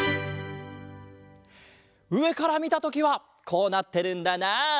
うえからみたときはこうなってるんだなあ。